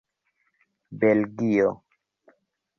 belgio